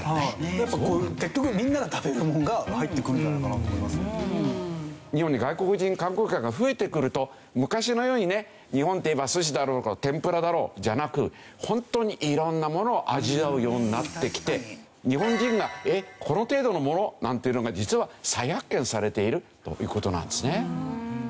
やっぱこういう結局日本に外国人観光客が増えてくると昔のようにね「日本といえば寿司だろう」と「天ぷらだろう」じゃなくホントに色んなものを味わうようになってきて日本人がえっこの程度のもの？なんていうのが実は再発見されているという事なんですね。